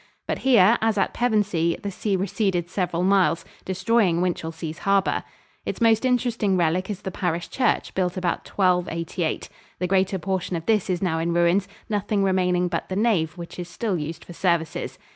But here, as at Pevensey, the sea receded several miles, destroying Winchelsea's harbor. Its mosts interesting relic is the parish church, built about 1288. The greater portion of this is now in ruins, nothing remaining but the nave, which is still used for services.